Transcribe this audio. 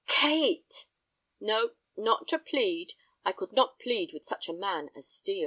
"Kate!" "No, not to plead. I could not plead with such a man as Steel."